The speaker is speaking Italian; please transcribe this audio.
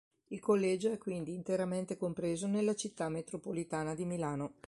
Il collegio è quindi interamente compreso nella città metropolitana di Milano.